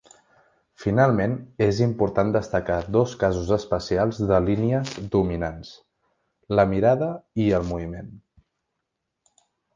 Finalment, és important destacar dos casos especials de línies dominants: la mirada i el moviment.